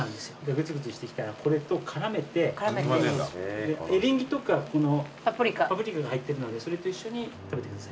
グツグツしてきたらこれと絡めてエリンギとかパプリカが入ってるのでそれと一緒に食べてください。